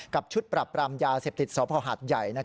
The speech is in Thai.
ชุดปรับปรามยาเสพติดสภหัดใหญ่